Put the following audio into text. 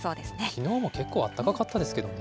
きのうも結構あったかかったですけれどもね。